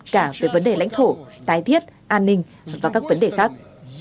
cả về vấn đề lãnh thổ tái thiết an ninh và các vấn đề khác